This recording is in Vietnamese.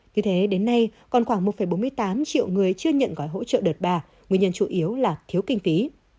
như thế đến nay còn khoảng một bốn mươi tám triệu người chưa nhận gói hỗ trợ đợt ba nguyên nhân chủ yếu là thiếu kinh phí